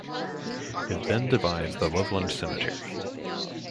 It then divides the Loveland cemetery.